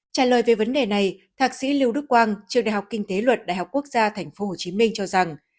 trả lời về vấn đề này thạc sĩ lưu đức quang trường đại học kinh tế luật đại học quốc gia tp hcm cho rằng